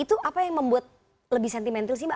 itu apa yang membuat lebih sentimental sih mbak